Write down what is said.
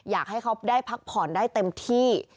อยากให้เขาได้พักผ่อนได้เต็มที่